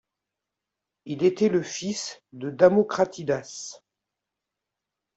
Il était le fils de Damocratidas.